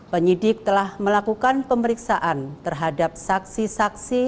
penyidik telah melakukan pemeriksaan terhadap saksi saksi